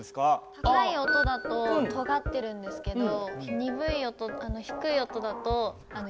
高い音だととがってるんですけど低い音だと緩い。